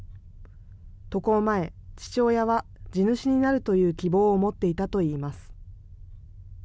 渡航前、父親は地主になるという希望を持っていたといいます。